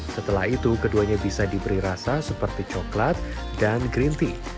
setelah itu keduanya bisa diberi rasa seperti coklat dan green tea